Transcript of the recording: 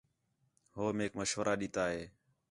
ہو میک مشورہ ݙیتا ہے